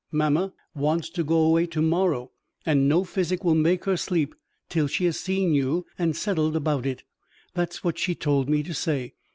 "Mamma wants to go away tomorrow, and no physic will make her sleep till she has seen you, and settled about it. That's what she told me to say.